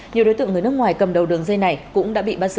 nhiều đối tượng người nước ngoài cầm đầu đường dây này cũng đã bị bắt giữ